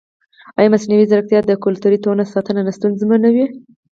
ایا مصنوعي ځیرکتیا د کلتوري تنوع ساتنه نه ستونزمنوي؟